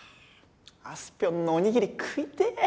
あすぴょんのおにぎり食いてえ